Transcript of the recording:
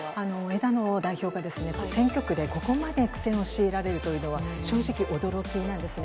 枝野代表が選挙区でここまで苦戦を強いられるというのは、正直驚きなんですね。